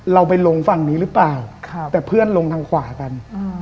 เราไปลงฝั่งนี้หรือเปล่าแต่เพื่อนลงทางขวากัน